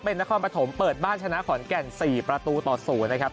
เป็นนครปฐมเปิดบ้านชนะขอนแก่น๔ประตูต่อ๐นะครับ